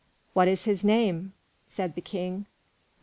"What is his name?" said the King.